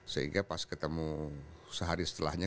sehingga pas ketemu sehari setelahnya